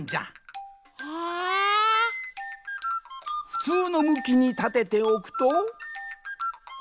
ふつうのむきにたてておくと。